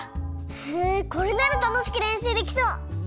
へえこれならたのしくれんしゅうできそう！